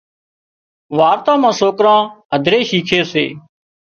وارتا مان سوڪران هڌري شيکي سي